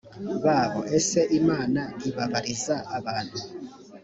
babo ese imana ibabariza abantu